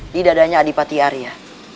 di dadanya adipati arya